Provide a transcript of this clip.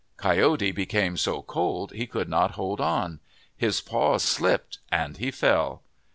Coyote became so cold he could not hold on. His paws slipped and he fell.